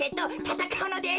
たたかうのです。